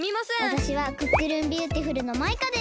わたしはクックルンビューティフルのマイカです。